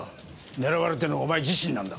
狙われてるのはお前自身なんだ。